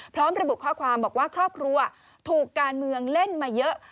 พร้อมระบุข้อความบอกว่าครอบครัวถูกการเมืองเล่นมาเยอะ